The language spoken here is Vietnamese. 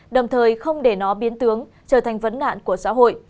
đồng thời không để nó biến tướng trở thành vấn nạn của xã hội